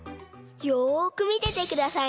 よくみててくださいね。